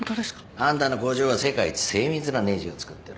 あんたの工場は世界一精密なねじを作ってる。